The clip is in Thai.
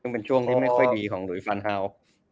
เป็นช่วงที่ไม่ค่อยดีของลุยฟานฮาล